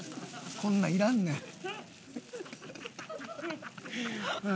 こんなんいらんねん。